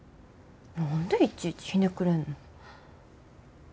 何でいちいちひねくれんの。